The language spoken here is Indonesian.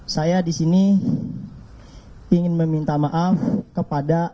saya di sini ingin meminta maaf kepada seluruh umat muslim atas kejadian yang telah saya buat